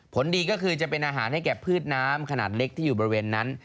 ผลดีก็คือจะเป็นอาหารให้แก่พืชน้ำขนาดเล็กที่อยู่บริเวณนั้น